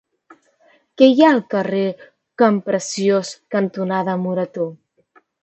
Què hi ha al carrer Campreciós cantonada Morató?